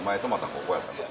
ここやったから。